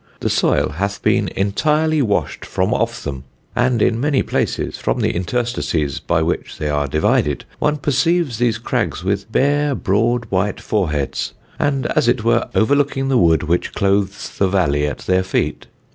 The soil hath been entirely washed from off them, and in many places, from the interstices by which they are divided, one perceives these crags with bare broad white foreheads, and, as it were, overlooking the wood, which clothes the valley at their feet.